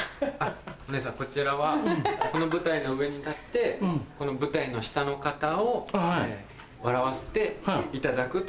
お姉さんこちらはこの舞台の上に立ってこの舞台の下の方を笑わせていただくという場所です。